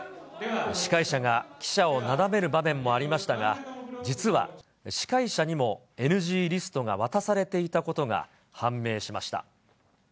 司会者が記者をなだめる場面もありましたが、実は司会者にもＮＧリストが渡されていたことが判明しました。